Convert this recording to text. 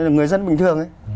người dân bình thường ấy